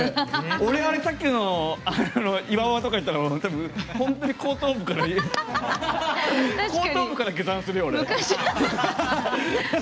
俺、さっきの岩場とか行ったら多分、本当に後頭部から下山するよ、俺。